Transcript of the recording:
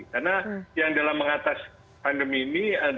karena yang dalam mengatas pandemi ini